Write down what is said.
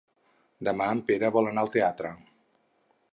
Demà en Pere vol anar al teatre.